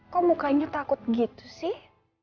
kok mukanya takut gitu sih